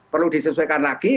perlu disesuaikan lagi